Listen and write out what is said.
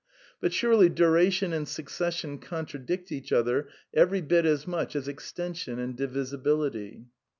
But surely duration and succession contradict — t each other every bit as much as extension and divisibility.